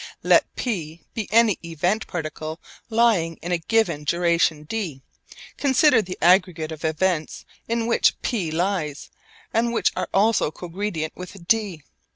Let P be any event particle lying in a given duration d. Consider the aggregate of events in which P lies and which are also cogredient with d.